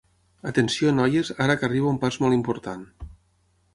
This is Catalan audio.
Atenció, noies, ara que arriba un pas molt important.